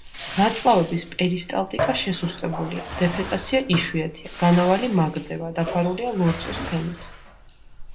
ნაწლავების პერისტალტიკა შესუსტებულია, დეფეკაცია იშვიათია, განავალი მაგრდება, დაფარულია ლორწოს ფენით.